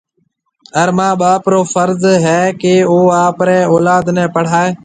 هر مان ٻاپ رو فرض هيَ ڪيَ او آپريَ اولاد نَي پڙهائي۔